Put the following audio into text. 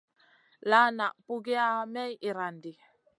La na pugiya may irandi.